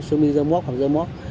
xe mi dơ móc hoặc dơ móc